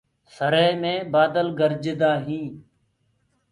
سرهي مي بآدل گرجدآ هينٚ